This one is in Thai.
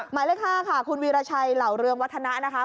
หมายเลข๕ค่ะคุณวีรชัยเหล่าเรืองวัฒนะนะคะ